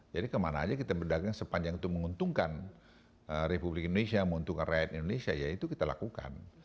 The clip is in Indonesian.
jadi kemana aja kita berdagang sepanjang itu menguntungkan republik indonesia menguntungkan rakyat indonesia ya itu kita lakukan